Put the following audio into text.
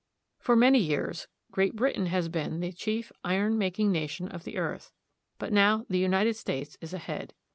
For many years Great Britain has been the chief iron making nation of the earth ; but now the United States is ahead.